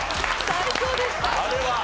最高でした。